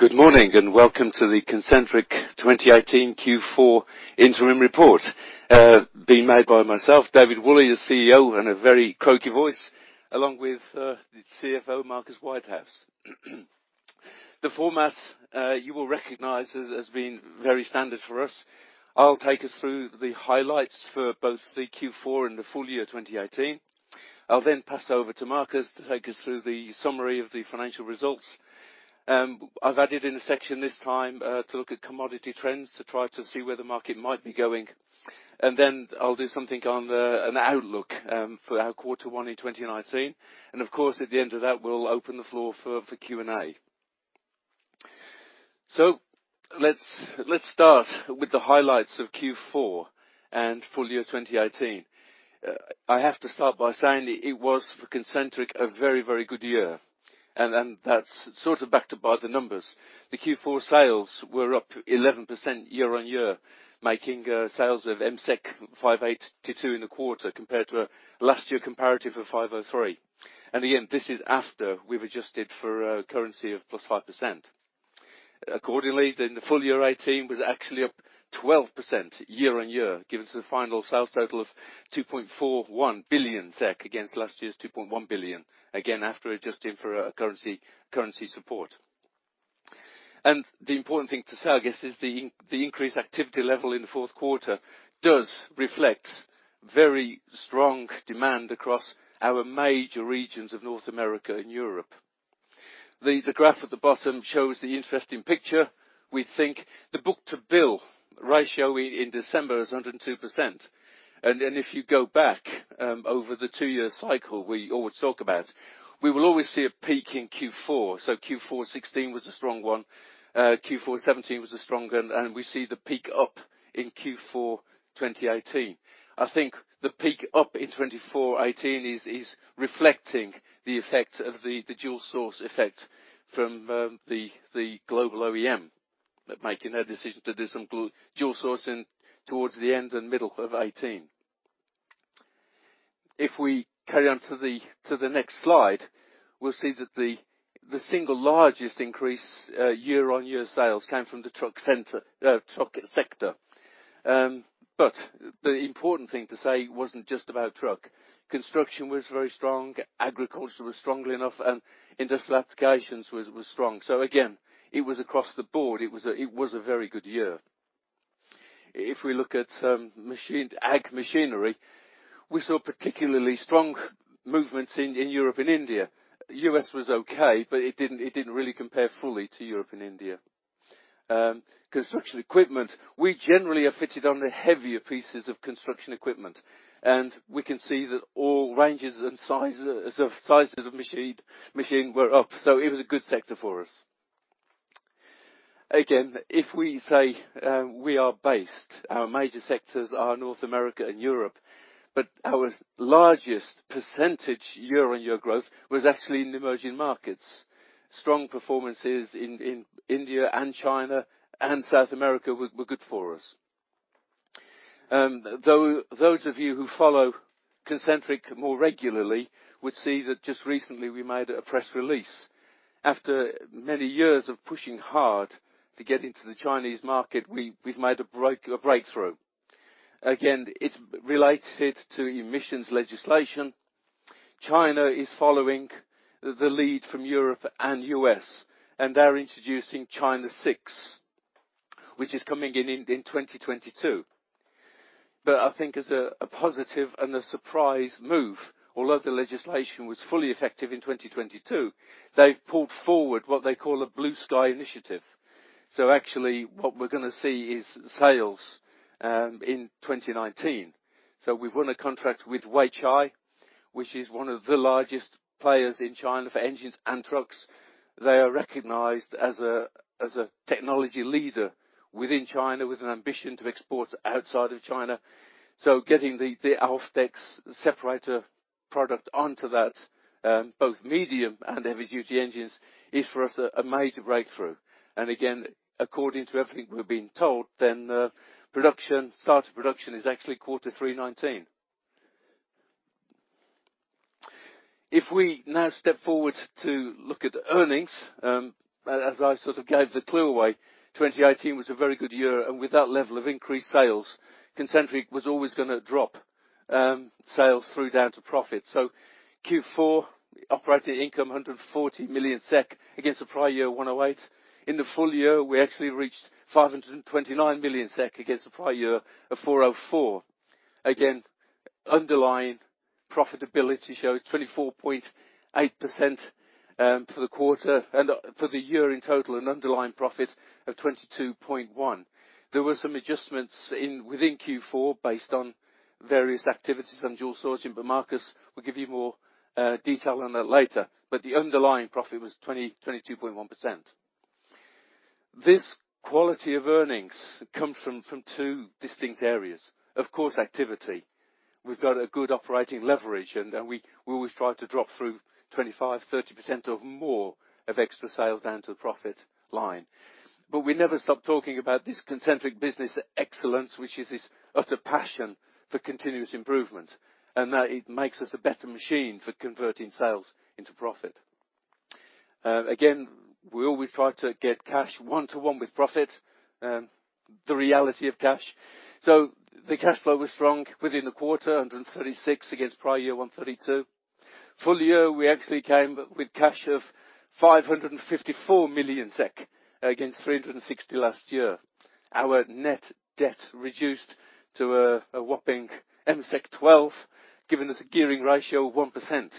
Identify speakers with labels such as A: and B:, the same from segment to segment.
A: Good morning, and welcome to the Concentric 2018 Q4 interim report, being made by myself, David Woolley, the CEO, and a very croaky voice, along with the CFO, Marcus Whitehouse. The format you will recognize as being very standard for us. I'll take us through the highlights for both the Q4 and the full year 2018. I'll pass over to Marcus to take us through the summary of the financial results. I've added in a section this time to look at commodity trends to try to see where the market might be going. I'll do something on an outlook for our quarter one in 2019. Of course, at the end of that, we'll open the floor for Q&A. Let's start with the highlights of Q4 and full year 2018. I have to start by saying it was, for Concentric, a very, very good year, and that's sort of backed up by the numbers. The Q4 sales were up 11% year-on-year, making sales of MSEK 582 in the quarter compared to last year comparative of 503. Again, this is after we've adjusted for currency of plus 5%. Accordingly, the full year 2018 was actually up 12% year-on-year, giving us the final sales total of 2.41 billion SEK against last year's 2.1 billion, again, after adjusting for currency support. The important thing to say, I guess, is the increased activity level in the fourth quarter does reflect very strong demand across our major regions of North America and Europe. The graph at the bottom shows the interesting picture. We think the book-to-bill ratio in December is 102%. If you go back over the two-year cycle we always talk about, we will always see a peak in Q4. Q4 2016 was a strong one. Q4 2017 was a strong one, and we see the peak up in Q4 2018. I think the peak up in Q4 2018 is reflecting the effect of the dual source effect from the global OEM making a decision to do some dual sourcing towards the end and middle of 2018. If we carry on to the next slide, we'll see that the single largest increase year-on-year sales came from the truck sector. The important thing to say it wasn't just about truck. Construction was very strong, agriculture was strong enough, and industrial applications was strong. Again, it was across the board. It was a very good year. If we look at ag machinery, we saw particularly strong movements in Europe and India. U.S. was okay, but it didn't really compare fully to Europe and India. Construction equipment, we generally are fitted on the heavier pieces of construction equipment, and we can see that all ranges and sizes of machines were up. It was a good sector for us. Again, if we say we are based, our major sectors are North America and Europe, but our largest percentage year-on-year growth was actually in the emerging markets. Strong performances in India and China and South America were good for us. Those of you who follow Concentric more regularly would see that just recently we made a press release. After many years of pushing hard to get into the Chinese market, we've made a breakthrough. Again, it's related to emissions legislation. China is following the lead from Europe and U.S., they're introducing China Six, which is coming in 2022. I think as a positive and a surprise move, although the legislation was fully effective in 2022, they've pulled forward what they call a Blue Sky initiative. Actually, what we're going to see is sales in 2019. We've won a contract with Weichai, which is one of the largest players in China for engines and trucks. They are recognized as a technology leader within China with an ambition to export outside of China. Getting the Alfdex separator product onto that, both medium and heavy duty engines, is for us a major breakthrough. Again, according to everything we've been told, start of production is actually Q3 2019. If we now step forward to look at earnings, as I sort of gave the clue away, 2018 was a very good year, with that level of increased sales, Concentric was always going to drop sales through down to profit. Q4 operating income, 140 million SEK against the prior year 108. In the full year, we actually reached 529 million SEK against the prior year of 404. Again, underlying profitability shows 24.8% for the quarter. For the year in total, an underlying profit of 22.1%. There were some adjustments within Q4 based on various activities on dual sourcing, Marcus will give you more detail on that later. The underlying profit was 22.1%. This quality of earnings comes from two distinct areas. Of course, activity. We've got a good operating leverage, we always try to drop through 25%-30% or more of extra sales down to the profit line. We never stop talking about this Concentric Business Excellence, which is this utter passion for continuous improvement, that it makes us a better machine for converting sales into profit. Again, we always try to get cash one-to-one with profit, the reality of cash. The cash flow was strong within the quarter, 136 against prior year, 132. Full year, we actually came with cash of 554 million SEK, against 360 last year. Our net debt reduced to a whopping MSEK 12, giving us a gearing ratio of 1%.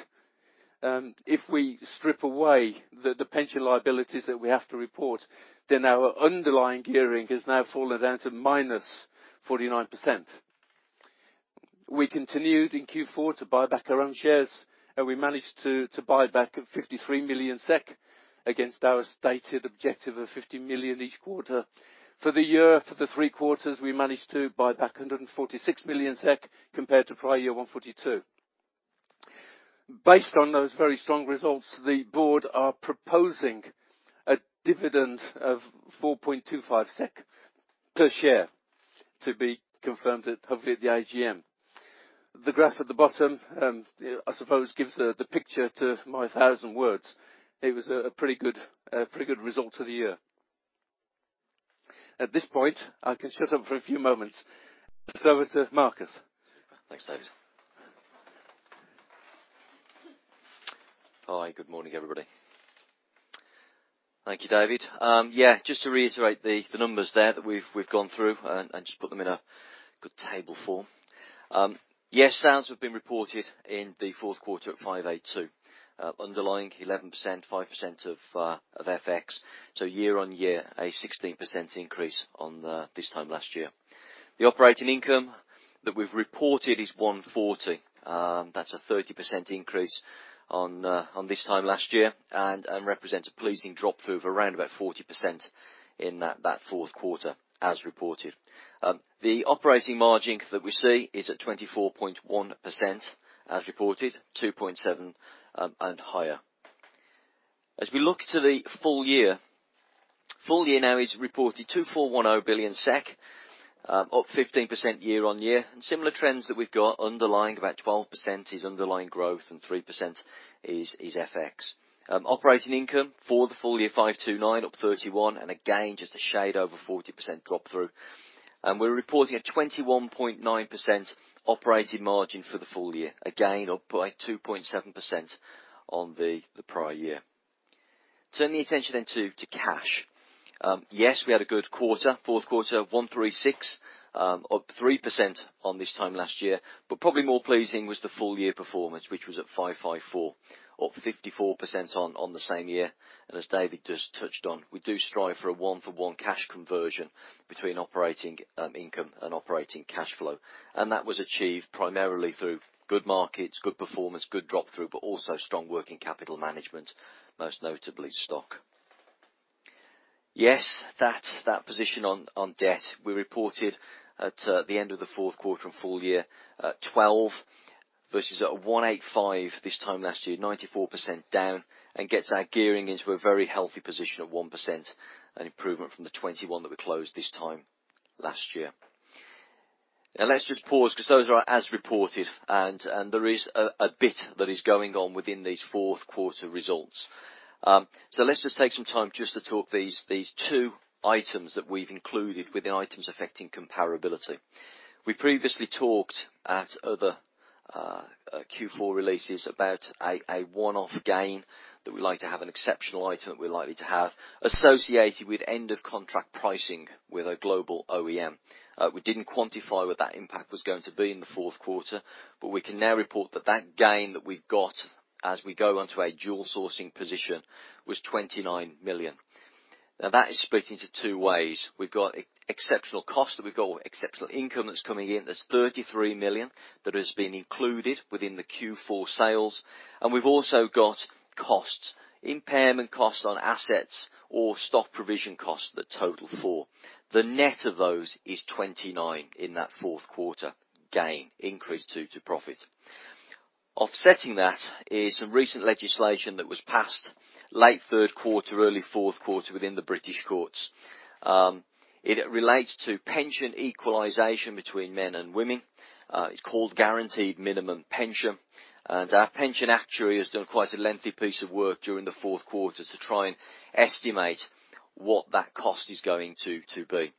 A: We strip away the pension liabilities that we have to report, our underlying gearing has now fallen down to minus 49%. We continued in Q4 to buy back our own shares, we managed to buy back 53 million SEK against our stated objective of 50 million each quarter. For the year, for the three quarters, we managed to buy back 146 million SEK compared to prior year, 142. Based on those very strong results, the board are proposing a dividend of 4.25 SEK per share to be confirmed, hopefully, at the AGM. The graph at the bottom, I suppose, gives the picture to my thousand words. It was a pretty good result to the year. At this point, I can shut up for a few moments. Over to Marcus.
B: Super. Thanks, David. Hi, good morning, everybody. Thank you, David. Just to reiterate the numbers there that we've gone through, and just put them in a good table form. Sales have been reported in the fourth quarter at 582 billion. Underlying 11%, 5% of FX. Year-on-year, a 16% increase on this time last year. The operating income that we've reported is 140 million. That's a 30% increase on this time last year and represents a pleasing drop through of around 40% in that fourth quarter as reported. The operating margin that we see is at 24.1% as reported, 2.7% higher. As we look to the full year, full year now is reported 2.410 billion SEK, up 15% year-on-year. Similar trends that we've got underlying, about 12% is underlying growth and 3% is FX. Operating income for the full year, 529 million, up 31%, again, just a shade over 40% drop through. We're reporting a 21.9% operating margin for the full year, again, up by 2.7% on the prior year. Turning the attention to cash. Yes, we had a good quarter, fourth quarter of 136 million, up 3% on this time last year. Probably more pleasing was the full year performance, which was at 554 million, up 54% on the same year. As David just touched on, we do strive for a one-for-one cash conversion between operating income and operating cash flow. That was achieved primarily through good markets, good performance, good drop through, but also strong working capital management, most notably stock. Yes, that position on debt we reported at the end of the fourth quarter and full year at 12 million versus at 185 billion this time last year, 94% down and gets our gearing into a very healthy position of 1%, an improvement from the 21% that we closed this time last year. Let's just pause because those are as reported, and there is a bit that is going on within these fourth quarter results. Let's just take some time just to talk these two items that we've included within items affecting comparability. We previously talked at other Q4 releases about a one-off gain that we'd like to have an exceptional item that we're likely to have associated with end-of-contract pricing with a global OEM. We didn't quantify what that impact was going to be in the fourth quarter, but we can now report that that gain that we've got as we go on to a dual sourcing position was 29 million. That is split into two ways. We've got exceptional cost that we've got exceptional income that's coming in. There's 33 million that has been included within the Q4 sales, and we've also got costs, impairment costs on assets or stock provision costs that total 4 million. The net of those is 29 million in that fourth quarter gain increase due to profit. Offsetting that is some recent legislation that was passed late third quarter, early fourth quarter within the British courts. It relates to pension equalization between men and women. It's called Guaranteed Minimum Pension. Our pension actuary has done quite a lengthy piece of work during the fourth quarter to try and estimate what that cost is going to be.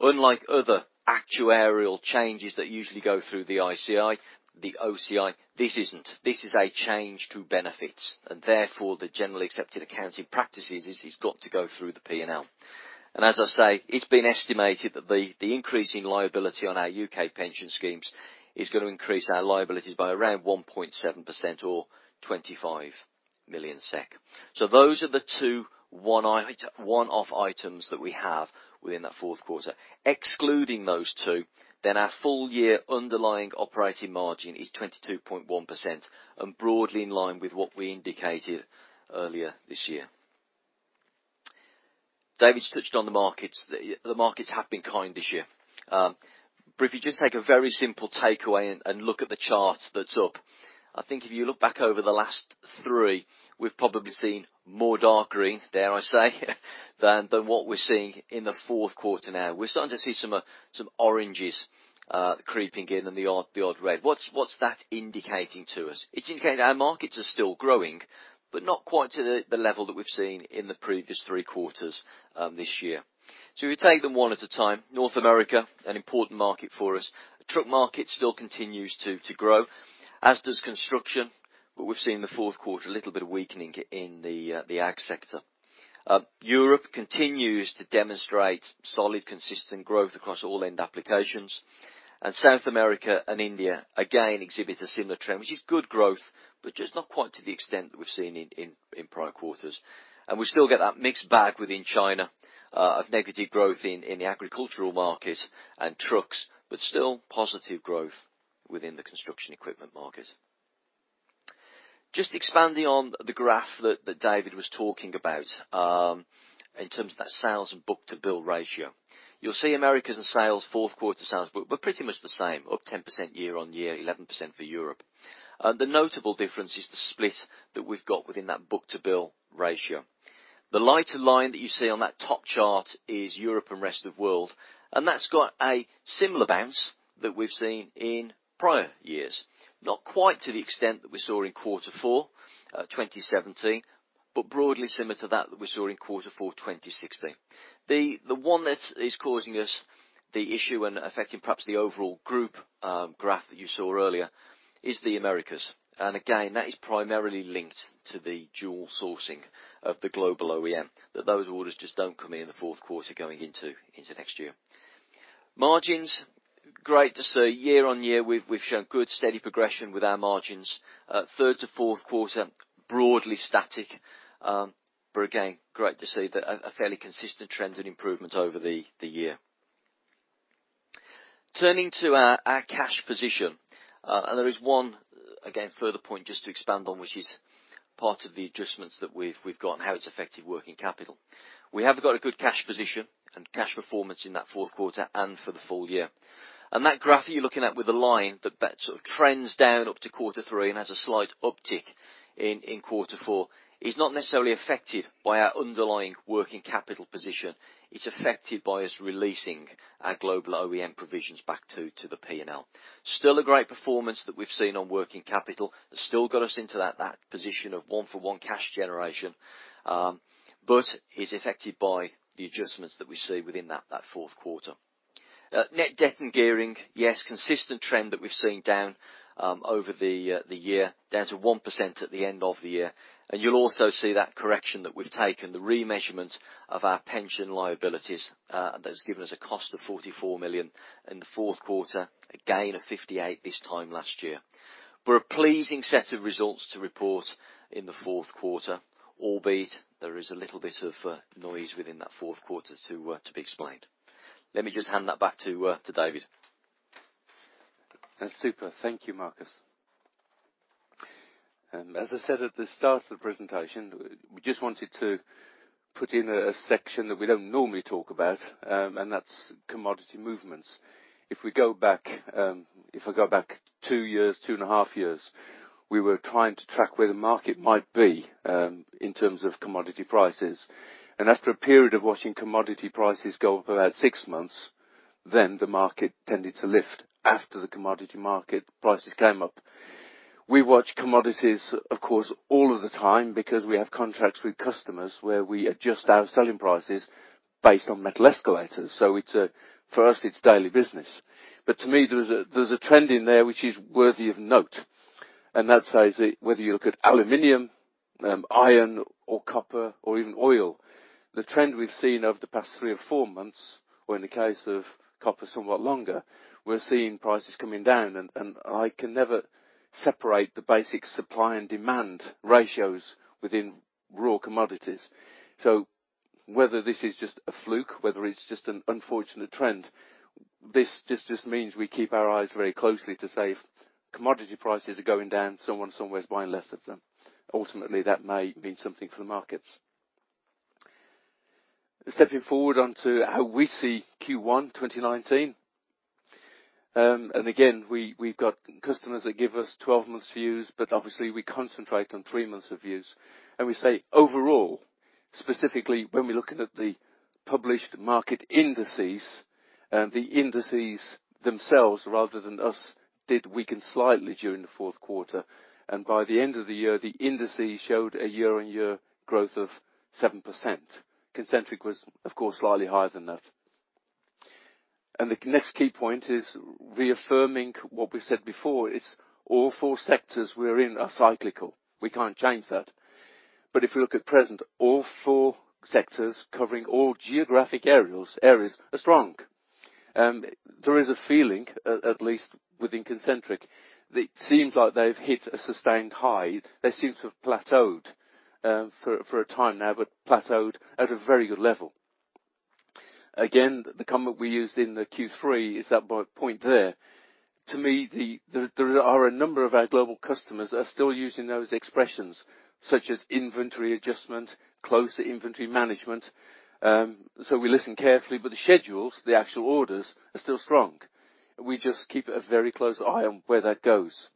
B: Unlike other actuarial changes that usually go through the OCI, this isn't. This is a change to benefits. Therefore, the generally accepted accounting practices is it's got to go through the P&L. As I say, it's been estimated that the increasing liability on our U.K. pension schemes is going to increase our liabilities by around 1.7% or 25 million SEK. Those are the two one-off items that we have within that fourth quarter. Excluding those two, our full year underlying operating margin is 22.1% and broadly in line with what we indicated earlier this year. David's touched on the markets. The markets have been kind this year. If you just take a very simple takeaway and look at the chart that's up, I think if you look back over the last three, we've probably seen more dark green, dare I say, than what we're seeing in the fourth quarter now. We're starting to see some oranges creeping in and the odd red. What's that indicating to us? It's indicating our markets are still growing, but not quite to the level that we've seen in the previous three quarters this year. We take them one at a time. North America, an important market for us. The truck market still continues to grow, as does construction, but we've seen the fourth quarter, a little bit of weakening in the ag sector. Europe continues to demonstrate solid, consistent growth across all end applications. South America and India, again, exhibit a similar trend, which is good growth, but just not quite to the extent that we've seen in prior uarters. We still get that mixed bag within China of negative growth in the agricultural market and trucks, but still positive growth within the construction equipment market. Just expanding on the graph that David was talking about, in terms of that sales and book-to-bill ratio. You'll see Americas' fourth quarter sales were pretty much the same, up 10% year-on-year, 11% for Europe. The notable difference is the split that we've got within that book-to-bill ratio. The lighter line that you see on that top chart is Europe and rest of world, and that's got a similar bounce that we've seen in prior years. Not quite to the extent that we saw in quarter four 2017, but broadly similar to that that we saw in quarter four 2016. The one that is causing us the issue and affecting perhaps the overall group graph that you saw earlier is the Americas. Again, that is primarily linked to the dual sourcing of the global OEM, that those orders just don't come in in the fourth quarter going into next year. Margins, great to see year-on-year, we've shown good steady progression with our margins. Third to fourth quarter, broadly static. Again, great to see a fairly consistent trend and improvement over the year. Turning to our cash position. There is one, again, further point just to expand on, which is part of the adjustments that we've got and how it's affected working capital. We have got a good cash position and cash performance in that fourth quarter and for the full year. That graph that you're looking at with the line that sort of trends down up to quarter three and has a slight uptick in quarter four is not necessarily affected by our underlying working capital position. It's affected by us releasing our global OEM provisions back to the P&L. Still a great performance that we've seen on working capital. It's still got us into that position of one-for-one cash generation, but is affected by the adjustments that we see within that fourth quarter. Net debt and gearing, yes, consistent trend that we've seen down over the year, down to 1% at the end of the year. You'll also see that correction that we've taken, the remeasurement of our pension liabilities, that's given us a cost of 44 million in the fourth quarter, a gain of 58 million this time last year. A pleasing set of results to report in the fourth quarter, albeit there is a little bit of noise within that fourth quarter to be explained. Let me just hand that back to David.
A: That's super. Thank you, Marcus. As I said at the start of the presentation, we just wanted to put in a section that we don't normally talk about, that's commodity movements. If I go back two years, two and a half years, we were trying to track where the market might be in terms of commodity prices. After a period of watching commodity prices go up about six months, then the market tended to lift after the commodity market prices came up. We watch commodities, of course, all of the time because we have contracts with customers where we adjust our selling prices based on metal escalators. For us, it's daily business. To me, there's a trend in there which is worthy of note. That says that whether you look at aluminum, iron or copper or even oil, the trend we've seen over the past three or four months, or in the case of copper, somewhat longer, we're seeing prices coming down, I can never separate the basic supply and demand ratios within raw commodities. Whether this is just a fluke, whether it's just an unfortunate trend, this just means we keep our eyes very closely to say, commodity prices are going down, someone, somewhere is buying less of them. Ultimately, that may mean something for the markets. Stepping forward onto how we see Q1 2019. Again, we've got customers that give us 12 months views, but obviously we concentrate on three months of views. We say overall, specifically when we are looking at the published market indices, the indices themselves rather than us did weaken slightly during the fourth quarter. By the end of the year, the indices showed a year-on-year growth of 7%. Concentric was, of course, slightly higher than that. The next key point is reaffirming what we said before, it is all four sectors we are in are cyclical. We cannot change that. If you look at present, all four sectors covering all geographic areas are strong. There is a feeling, at least within Concentric, that it seems like they have hit a sustained high. They seem to have plateaued for a time now, but plateaued at a very good level. Again, the comment we used in the Q3 is that point there. To me, there are a number of our global customers that are still using those expressions, such as inventory adjustment, closer inventory management. We listen carefully, but the schedules, the actual orders, are still strong. We just keep a very close eye on where that goes.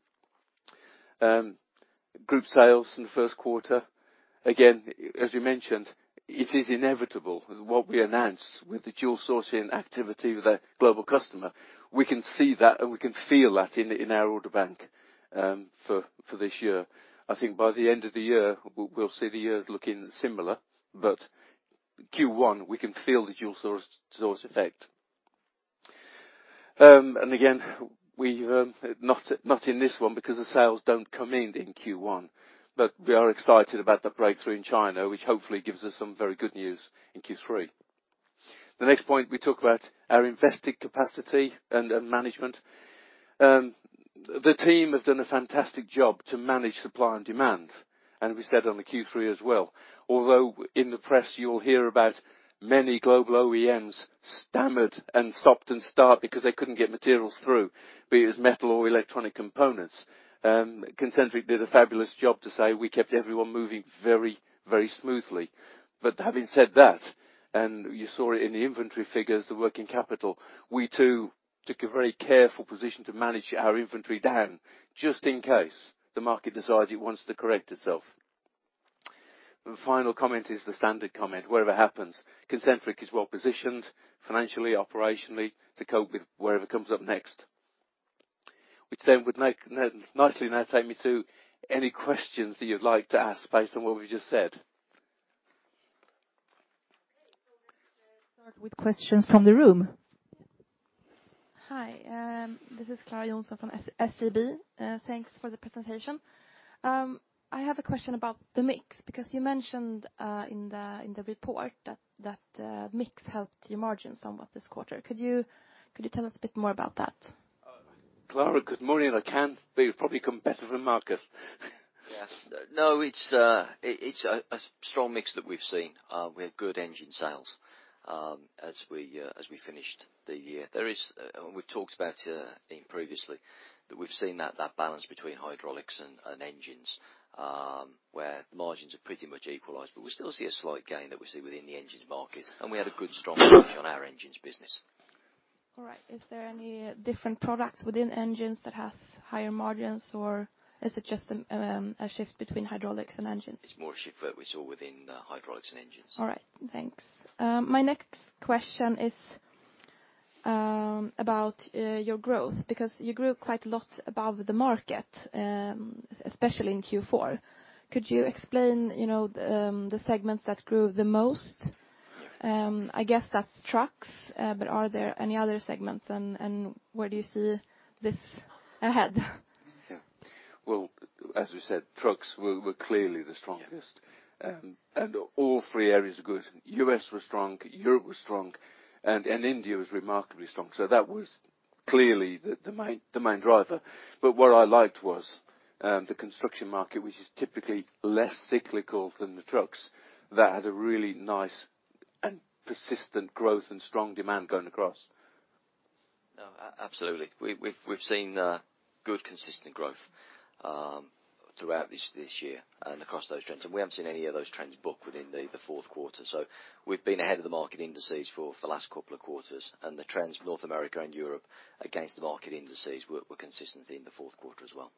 A: Group sales in the first quarter, again, as you mentioned, it is inevitable what we announce with the dual sourcing activity with a global customer. We can see that, and we can feel that in our order bank for this year. I think by the end of the year, we will see the years looking similar. Q1, we can feel the dual source effect. Again, not in this one because the sales do not come in in Q1, but we are excited about the breakthrough in China, which hopefully gives us some very good news in Q3. The next point, we talk about our invested capacity and management. The team has done a fantastic job to manage supply and demand. We said on the Q3 as well. Although in the press you will hear about many global OEMs stammered and stopped and start because they could not get materials through, be it as metal or electronic components. Concentric did a fabulous job to say we kept everyone moving very smoothly. Having said that, and you saw it in the inventory figures, the working capital, we too took a very careful position to manage our inventory down just in case the market decides it wants to correct itself. The final comment is the standard comment. Whatever happens, Concentric is well positioned financially, operationally to cope with whatever comes up next. Which then would nicely now take me to any questions that you would like to ask based on what we have just said.
C: We will start with questions from the room.
D: Hi, this is Clara Johnson from SEB. Thanks for the presentation. I have a question about the mix, because you mentioned in the report that mix helped your margins somewhat this quarter. Could you tell us a bit more about that?
A: Clara, good morning. I can, but you'll probably come better from Marcus.
B: It's a strong mix that we've seen. We had good engine sales as we finished the year. We've talked about, Ian, previously, that we've seen that balance between hydraulics and engines, where the margins are pretty much equalized, but we still see a slight gain that we see within the engines market, and we had a good, strong position on our engines business.
D: All right. Is there any different products within engines that has higher margins, or is it just a shift between hydraulics and engines?
B: It's more a shift that we saw within hydraulics and engines.
D: All right. Thanks. My next question is about your growth, because you grew quite a lot above the market, especially in Q4. Could you explain the segments that grew the most? I guess that's trucks, but are there any other segments, and where do you see this ahead?
A: Yeah. Well, as we said, trucks were clearly the strongest.
B: Yeah.
A: All three areas are good. U.S. was strong, Europe was strong, and India was remarkably strong. That was clearly the main driver. What I liked was the construction market, which is typically less cyclical than the trucks, that had a really nice and persistent growth and strong demand going across.
B: Absolutely. We've seen good consistent growth throughout this year and across those trends. We haven't seen any of those trends book within the fourth quarter. We've been ahead of the market indices for the last couple of quarters, and the trends for North America and Europe against the market indices were consistent in the fourth quarter as well.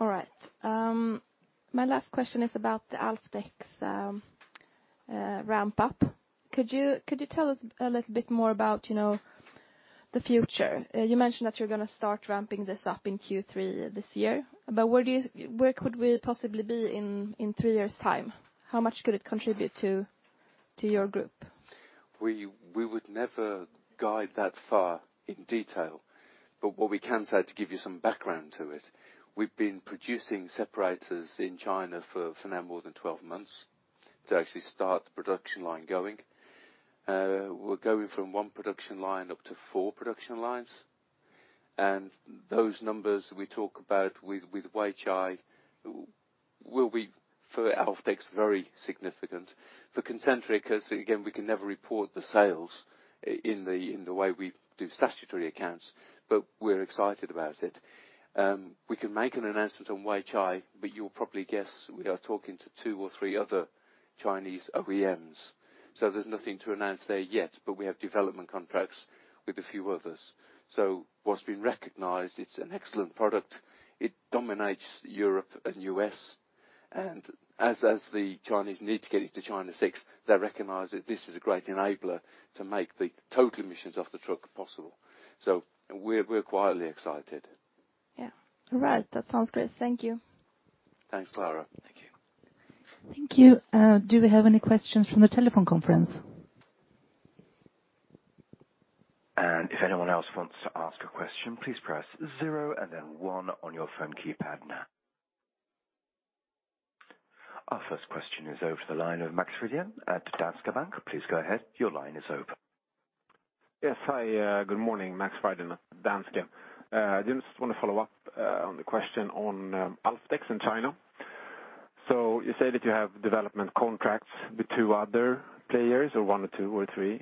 D: All right. My last question is about the Alfdex ramp up. Could you tell us a little bit more about the future? You mentioned that you're going to start ramping this up in Q3 this year. Where could we possibly be in three years' time? How much could it contribute to your group?
A: We would never guide that far in detail. What we can say to give you some background to it, we've been producing separators in China for now more than 12 months to actually start the production line going. We're going from one production line up to four production lines, and those numbers we talk about with Weichai will be for Alfdex very significant. For Concentric, because again, we can never report the sales in the way we do statutory accounts. We're excited about it. We can make an announcement on Weichai. You'll probably guess we are talking to two or three other Chinese OEMs. There's nothing to announce there yet. We have development contracts with a few others. What's been recognized, it's an excellent product. It dominates Europe and U.S. As the Chinese need to get into China VI, they recognize that this is a great enabler to make the total emissions of the truck possible. We're quietly excited.
D: Yeah. All right. That sounds great. Thank you.
A: Thanks, Clara.
B: Thank you.
C: Thank you. Do we have any questions from the telephone conference?
E: If anyone else wants to ask a question, please press zero and then one on your phone keypad now. Our first question is over to the line of Max Frydén at Danske Bank. Please go ahead. Your line is open.
F: Yes. Hi, good morning. Max Frydén at Danske. I just want to follow up on the question on Alfdex in China. So you say that you have development contracts with two other players, or one or two or three.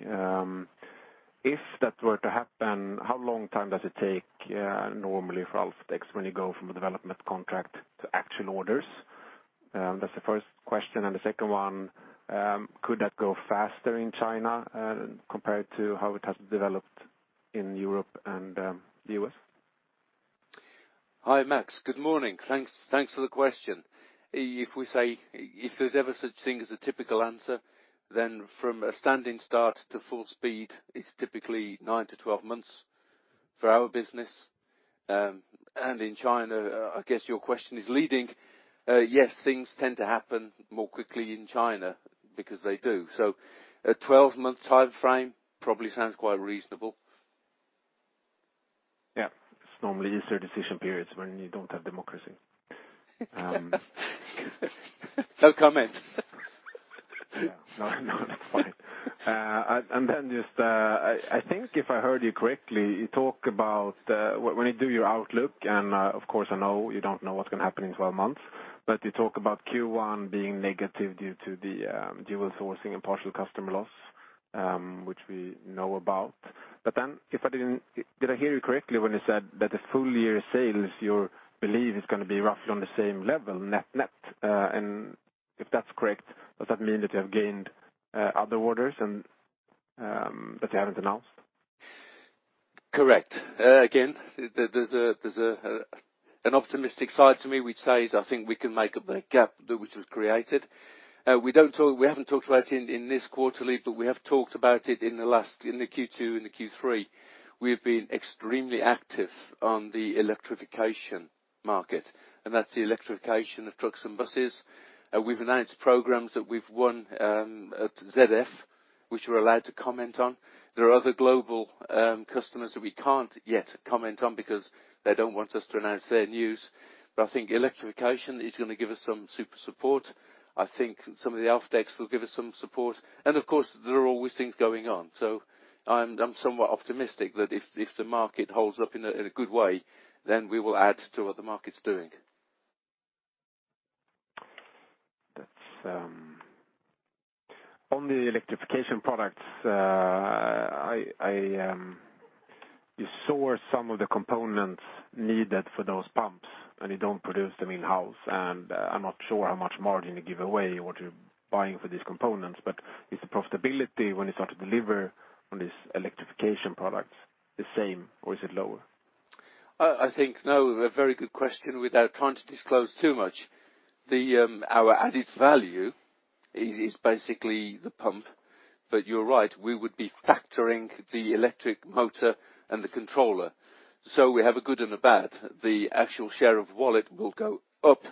F: If that were to happen, how long time does it take normally for Alfdex when you go from a development contract to actual orders? That's the first question. The second one, could that go faster in China, compared to how it has developed in Europe and the U.S.?
A: Hi, Max. Good morning. Thanks for the question. If there's ever such thing as a typical answer, then from a standing start to full speed, it's typically nine to 12 months for our business. In China, I guess your question is leading. Yes, things tend to happen more quickly in China because they do. A 12-month timeframe probably sounds quite reasonable.
F: Yeah. It's normally easier decision periods when you don't have democracy.
A: No comment.
F: Just, I think if I heard you correctly, you talk about when you do your outlook, and of course, I know you don't know what's going to happen in 12 months, you talk about Q1 being negative due to the dual sourcing and partial customer loss, which we know about. Did I hear you correctly when you said that the full year sales, you believe it's going to be roughly on the same level net? If that's correct, does that mean that you have gained other orders that you haven't announced?
A: Correct. Again, there's an optimistic side to me which says, I think we can make up the gap which was created. We haven't talked about it in this quarterly, but we have talked about it in the Q2 and the Q3. We have been extremely active on the electrification market, and that's the electrification of trucks and buses. We've announced programs that we've won at ZF, which we're allowed to comment on. There are other global customers that we can't yet comment on because they don't want us to announce their news. I think electrification is going to give us some super support. I think some of the Alfdex will give us some support. Of course, there are always things going on. I'm somewhat optimistic that if the market holds up in a good way, then we will add to what the market's doing.
F: On the electrification products, you source some of the components needed for those pumps, and you don't produce them in-house. I'm not sure how much margin you give away what you're buying for these components, but is the profitability when you start to deliver on this electrification product the same or is it lower?
A: I think no, a very good question without trying to disclose too much. Our added value is basically the pump, but you're right. We would be factoring the electric motor and the controller. We have a good and a bad. The actual share of wallet will go up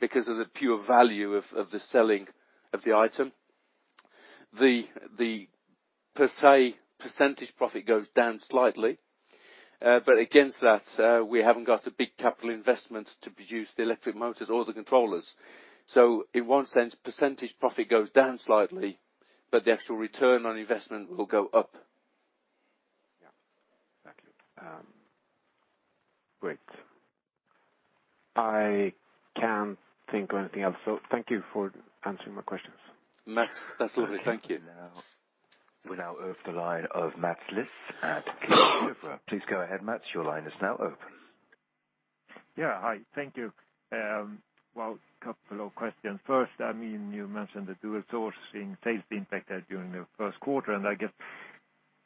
A: because of the pure value of the selling of the item. The per se percentage profit goes down slightly. Against that, we haven't got a big capital investment to produce the electric motors or the controllers. In one sense, percentage profit goes down slightly, but the actual return on investment will go up.
F: Yeah. Thank you. Great. I can't think of anything else. Thank you for answering my questions.
A: Max, that's all good. Thank you.
E: We now open the line of Mats Liss at Kepler Cheuvreux. Please go ahead, Mats. Your line is now open.
G: Yeah. Hi, thank you. Well, couple of questions. First, you mentioned the dual sourcing sales impact there during the first quarter, and I guess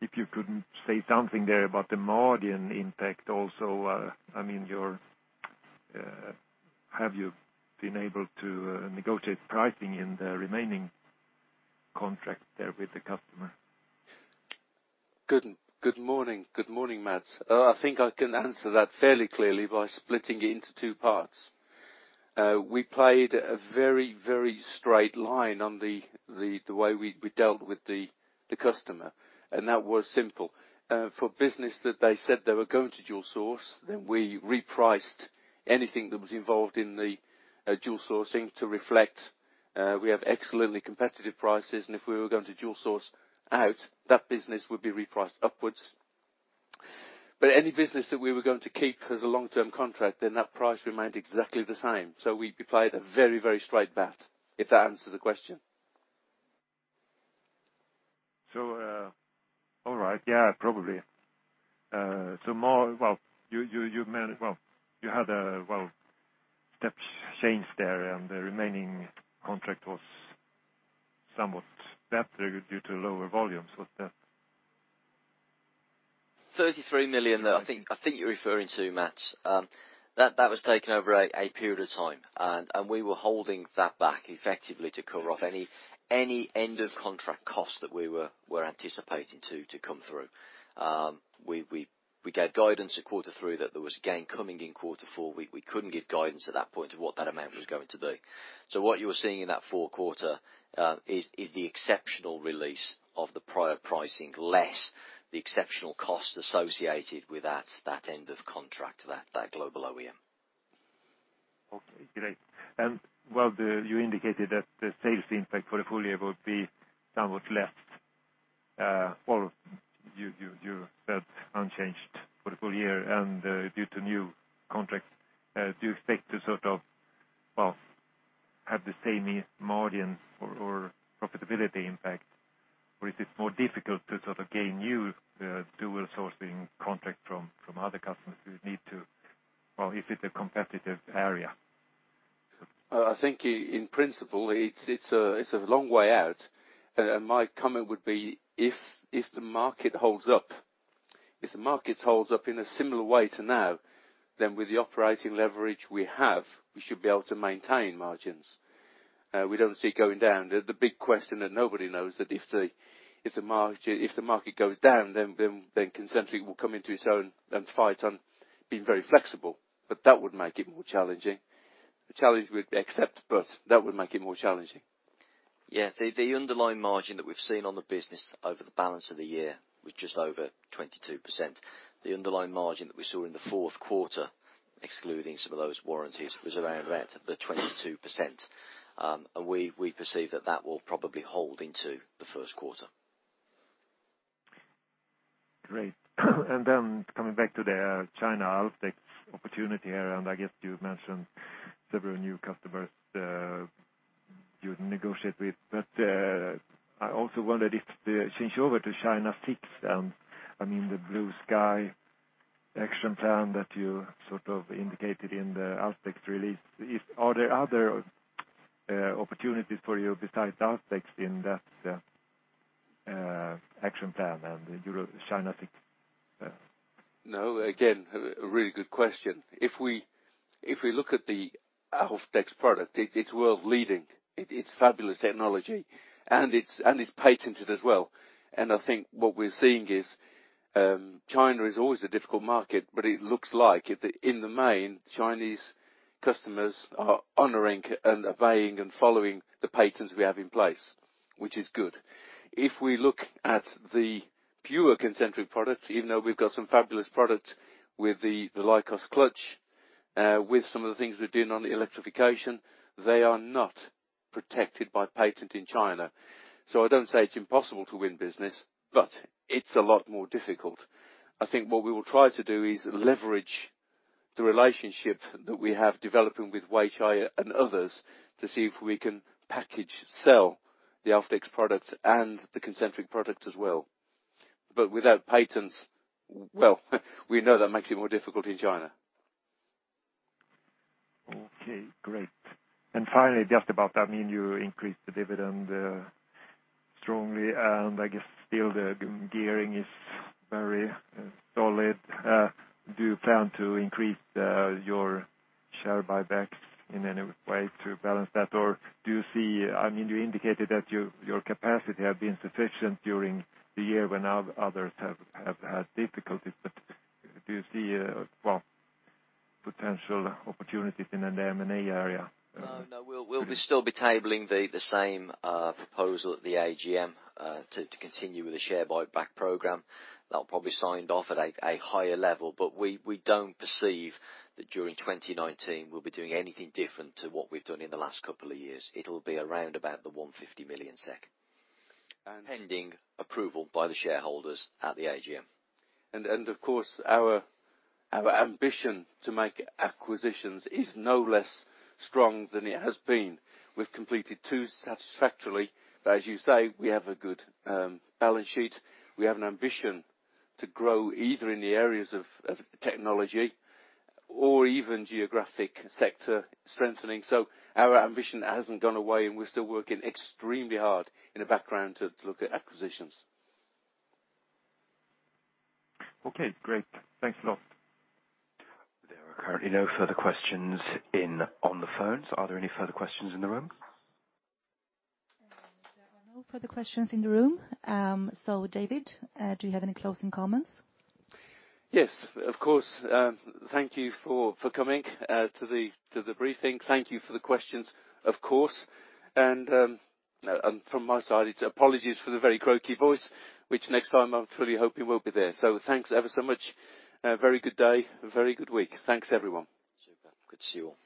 G: if you could say something there about the margin impact also. Have you been able to negotiate pricing in the remaining contract there with the customer?
A: Good morning, Mats. I think I can answer that fairly clearly by splitting it into two parts. We played a very straight line on the way we dealt with the customer, and that was simple. For business that they said they were going to dual source, we repriced anything that was involved in the dual sourcing to reflect, we have excellently competitive prices, and if we were going to dual source out, that business would be repriced upwards. Any business that we were going to keep as a long-term contract, that price remained exactly the same. We applied a very straight bat, if that answers the question.
G: All right. Yeah, probably. You had a step change there and the remaining contract was somewhat stepped due to lower volumes. What's that?
B: 33 million, I think you're referring to, Mats. That was taken over a period of time, and we were holding that back effectively to cover off any end of contract cost that we were anticipating to come through. We gave guidance a quarter through that there was a gain coming in quarter four. We couldn't give guidance at that point to what that amount was going to be. What you are seeing in that fourth quarter, is the exceptional release of the prior pricing, less the exceptional cost associated with that end of contract, that global OEM.
G: Okay, great. While you indicated that the sales impact for the full year will be somewhat less. Well, you said unchanged for the full year and due to new contracts, do you expect to have the same margin or profitability impact, or is it more difficult to gain new dual sourcing contract from other customers who need to? Well, is it a competitive area?
A: I think in principle it's a long way out, and my comment would be if the market holds up in a similar way to now, then with the operating leverage we have, we should be able to maintain margins. We don't see it going down. The big question that nobody knows that if the market goes down, then Concentric will come into its own and fight on being very flexible. That would make it more challenging. The challenge we'd accept, but that would make it more challenging.
B: Yeah. The underlying margin that we've seen on the business over the balance of the year was just over 22%. The underlying margin that we saw in the fourth quarter, excluding some of those warranties, was around about the 22%, and we perceive that that will probably hold into the first quarter.
G: Coming back to the China Alfdex opportunity here, I guess you mentioned several new customers you negotiate with. I also wondered if the changeover to China Six and the Blue Sky initiative that you indicated in the Alfdex release, are there other opportunities for you besides Alfdex in that action plan and China Six?
A: No. Again, a really good question. If we look at the Alfdex product, it's world leading. It's fabulous technology, it's patented as well. I think what we're seeing is China is always a difficult market, but it looks like in the main, Chinese customers are honoring and obeying and following the patents we have in place, which is good. If we look at the fewer Concentric products, even though we've got some fabulous products with the Licos clutch, with some of the things we're doing on the electrification, they are not protected by patent in China. I don't say it's impossible to win business, but it's a lot more difficult. I think what we will try to do is leverage the relationship that we have developing with Weichai and others to see if we can package sell the Alfdex product and the Concentric product as well. Without patents, well, we know that makes it more difficult in China.
G: Okay, great. Finally, just about that, you increased the dividend strongly, I guess still the gearing is very solid. Do you plan to increase your share buybacks in any way to balance that? You indicated that your capacity had been sufficient during the year when others have had difficulties, do you see potential opportunities in an M&A area?
B: No, we'll still be tabling the same proposal at the AGM, to continue with the share buyback program. That will probably signed off at a higher level, but we don't perceive that during 2019 we'll be doing anything different to what we've done in the last couple of years. It'll be around about the 150 million SEK, pending approval by the shareholders at the AGM.
A: Of course, our ambition to make acquisitions is no less strong than it has been. We've completed two satisfactorily. As you say, we have a good balance sheet. We have an ambition to grow either in the areas of technology or even geographic sector strengthening. Our ambition hasn't gone away, and we're still working extremely hard in the background to look at acquisitions.
G: Okay, great. Thanks a lot.
E: There are currently no further questions on the phones. Are there any further questions in the room?
C: There are no further questions in the room. David, do you have any closing comments?
A: Yes, of course. Thank you for coming to the briefing. Thank you for the questions, of course. From my side, apologies for the very croaky voice, which next time I truly hope it won't be there. Thanks ever so much. A very good day, a very good week. Thanks, everyone.
B: Super. Good to see you all.